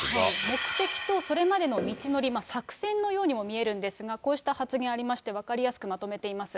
目的とそれまでの道のり、作戦のようにも見えるんですが、こうした発言ありまして、分かりやすくまとめています。